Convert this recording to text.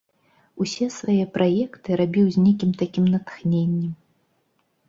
Усе свае праекты я рабіў з нейкім такім натхненнем.